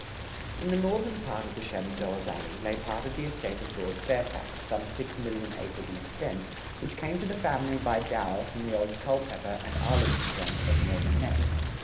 In the northern part of the Shenandoah Valley, lay part of the estate of Lord Fairfax, some six million acres in extent, which came to the family by dower from the old Culpeper and Arlington grant of Northern Neck.